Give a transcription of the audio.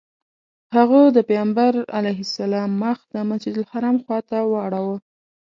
هغه د پیغمبر علیه السلام مخ د مسجدالحرام خواته واړوه.